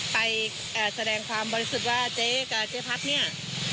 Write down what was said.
ไปแสดงความบริสุทธิ์ว่าเจ๊กับเจ๊พัดเนี่ย